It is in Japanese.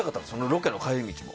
ロケの帰り道も。